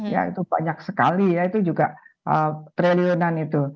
ya itu banyak sekali ya itu juga triliunan itu